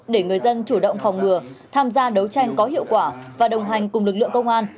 để người dân chủ động phòng ngừa tham gia đấu tranh có hiệu quả và đồng hành cùng lực lượng công an